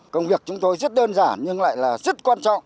công việc chúng tôi rất đơn giản nhưng lại là rất quan trọng